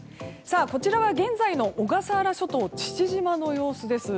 こちらは現在の小笠原諸島父島の様子です。